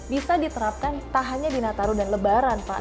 bisa diterapkan tak hanya di nataru dan lebaran pak